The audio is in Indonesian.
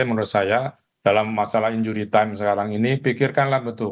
menurut saya dalam masalah injury time sekarang ini pikirkanlah betul